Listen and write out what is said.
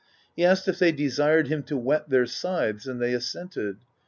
He asked if they de sired him to whet their scythes, and they assented.